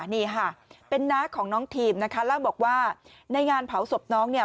นี่ค่ะเป็นน้าของน้องทีมนะคะเล่าบอกว่าในงานเผาศพน้องเนี่ย